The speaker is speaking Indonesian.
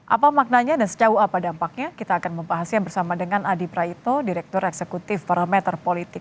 apa maknanya dan sejauh apa dampaknya kita akan membahasnya bersama dengan adi praitno direktur eksekutif parameter politik